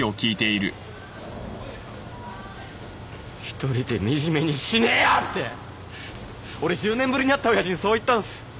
「一人で惨めに死ねよ！」って俺１０年ぶりに会った親父にそう言ったんです。